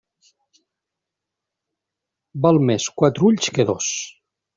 Val més quatre ulls que dos.